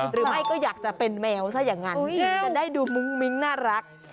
ไม่ก็อยากจะเป็นแมวซะอย่างนั้นจะได้ดูมุ้งมิ้งน่ารัก